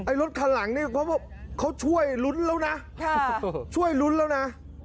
ไอ้รถคันหลังนี่พ่อบอกเขาช่วยรุ้นแล้วนะค่ะช่วยรุ้นแล้วนะ